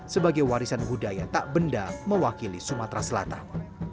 sebagai warisan budaya tak benda mewakili sumatera selatan